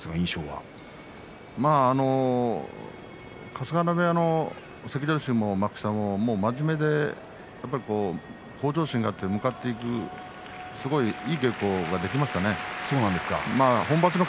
春日野部屋の関取衆も真面目で向上心があって向かっていくいい稽古ができました、場所前ね。